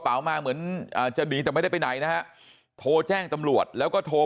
มาเหมือนจะหนีแต่ไม่ได้ไปไหนนะฮะโทรแจ้งตำรวจแล้วก็โทร